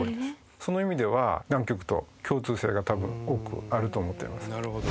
その意味では南極と共通性が多分多くあると思っています。